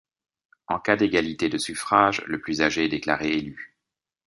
En cas d'égalité de suffrages, le plus âgé est déclaré élu.